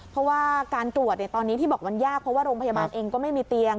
เพราะว่าการตรวจตอนนี้ที่บอกมันยากเพราะว่าโรงพยาบาลเองก็ไม่มีเตียง